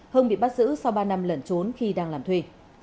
hưng bị bắt giữ sau ba năm lẩn trốn khi đang làm thuê